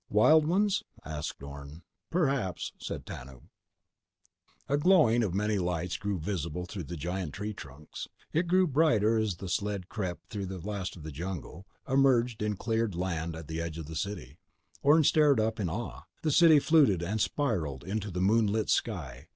"Wild ones?" asked Orne. "Perhaps," said Tanub. A glowing of many lights grew visible through the giant tree trunks. It grew brighter as the sled crept through the last of the jungle, emerged in cleared land at the edge of the city. Orne stared upward in awe. The city fluted and spiraled into the moonlit sky.